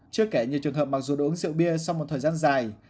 chưa kể nhiều trường hợp mặc dù đã uống rượu bia sau một thời gian dài